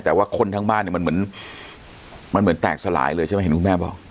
แต่ว่าคนทั้งบ้านเนี่ยมันเหมือนมันเหมือนแตกสลายเลยใช่ไหมเห็นคุณแม่บอก